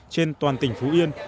trên toàn tỉnh phú yên